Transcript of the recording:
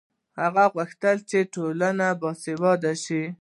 هغه غوښتل چې ټولنه باسواده شي.